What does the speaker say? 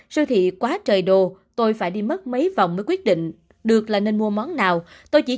sưu thị quá trời đồ tôi phải đi mất mấy vòng mới quyết định được là nên mua món nào